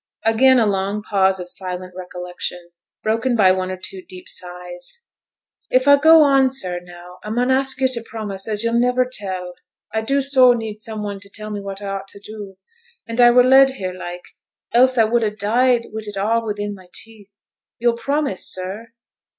Again a long pause of silent recollection, broken by one or two deep sighs. 'If I go on, sir, now, I mun ask yo' to promise as yo'll niver tell. I do so need some one to tell me what I ought to do, and I were led here, like, else I would ha' died wi' it all within my teeth. Yo'll promise, sir?'